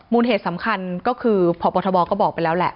เหตุสำคัญก็คือพบทบก็บอกไปแล้วแหละ